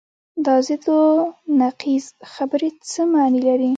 دا ضد و نقیض خبرې څه معنی لري؟